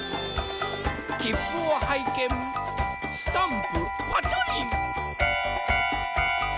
きっぷをはいけんスタンプパチョリン。